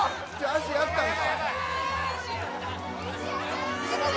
足やったんか？